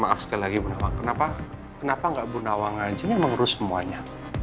mohon maaf sekali lagi bu nawang kenapa kenapa enggak bu nawang aja yang mengurus semuanya